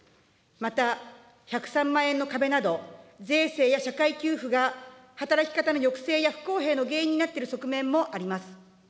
また１０３万円の壁など、税制や社会給付が働き方の抑制や不公平の原因になっている側面もあります。